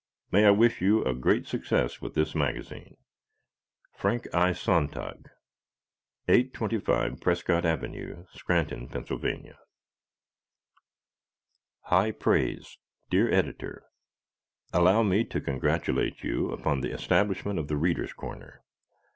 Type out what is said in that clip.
May I wish you a great success with this magazine Frank I. Sontag, 825 Prescott Ave., Scranton, Pa. High Praise Dear Editor: Allow me to congratulate you upon the establishment of "The Readers' Corner."